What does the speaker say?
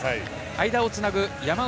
間をつなぐ山内。